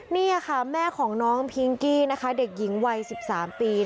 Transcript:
นี่ค่ะแม่ของน้องพิงกี้นะคะเด็กหญิงวัย๑๓ปี